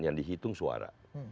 yang dihitung suara